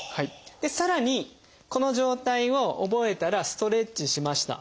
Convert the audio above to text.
でさらにこの状態を覚えたらストレッチしました。